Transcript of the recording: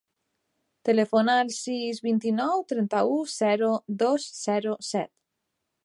Telefona al sis, vint-i-nou, trenta-u, zero, dos, zero, set.